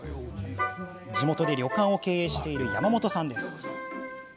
地元で旅館を経営している山本さんです。